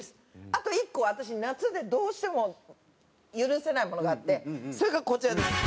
あと１個私夏でどうしても許せないものがあってそれがこちらです。